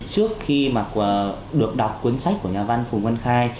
trước khi mà được đọc cuốn sách của nhà văn phùng văn khai